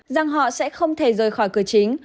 rằng họ sẽ không thể rời khỏi cửa chính